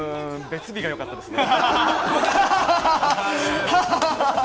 別日がよかったですね。